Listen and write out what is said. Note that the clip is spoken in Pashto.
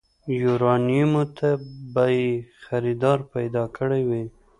يوارنيمو ته به يې خريدار پيدا کړی وي.